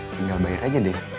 tinggal bayar aja deh